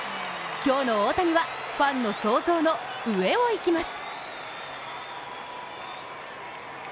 今日の大谷は、ファンの想像の上をいきます。